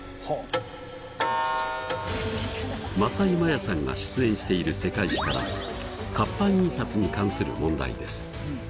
政井マヤさんが出演している「世界史」から活版印刷に関する問題です。